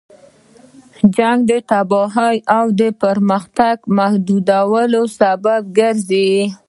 جنګ د تباهۍ او د پرمختګ محدودولو سبب ګرځي.